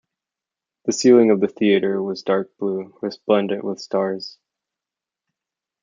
The ceiling of the theatre was dark blue, resplendent with stars.